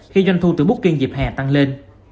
khi doanh thu từ bút kiên dịp hè tăng lên